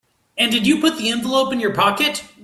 And did you put the envelope in your pocket?